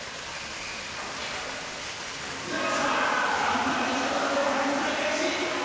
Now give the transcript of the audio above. カウンターに来たところをカウンター返し！